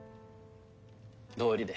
どうりで。